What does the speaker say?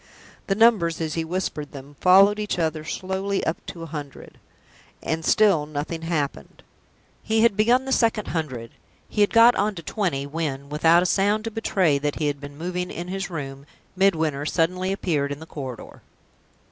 The numbers, as he whispered them, followed each other slowly up to a hundred, and still nothing happened. He had begun the second hundred; he had got on to twenty when, without a sound to betray that he had been moving in his room, Midwinter suddenly appeared in the corridor.